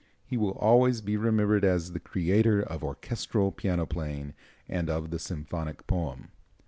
He will always be remembered as the creator of orchestral piano playing and of the symphonic poem.